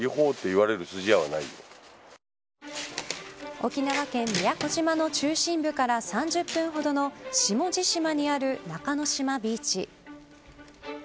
沖縄県宮古島の中心部から３０分ほどの下地島にある中の島ビーチ。